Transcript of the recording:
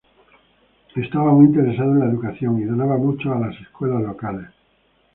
Estaba muy interesado en la educación y donaba mucho a las escuelas locales.